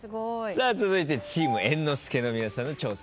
さあ続いてチーム猿之助の皆さんの挑戦です。